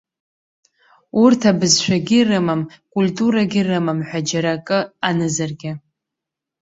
Урҭ абызшәагьы рымам, культурагьы рымам ҳәа џьара акы анызаргьы.